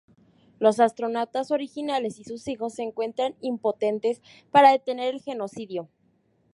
Los astronautas originales y sus hijos se encuentran impotentes para detener el genocidio.